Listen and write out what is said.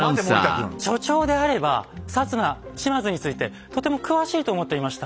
所長であれば摩島津についてとても詳しいと思っていました。